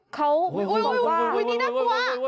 เขาโวย้ยนี่น่ากลัว